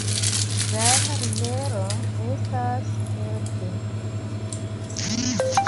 Grava rivero estas Olt.